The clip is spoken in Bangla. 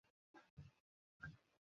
আমি একজন এজেন্ট।